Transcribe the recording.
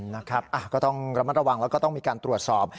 นะครับก็ต้องระมัดระวังแล้วก็ต้องมีการตรวจสอบ